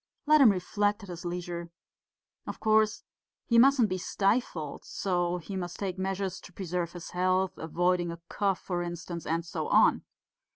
Let him reflect at his leisure. Of course he mustn't be stifled, and so he must take measures to preserve his health, avoiding a cough, for instance, and so on....